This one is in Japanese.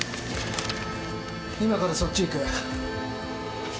今からそっち行く。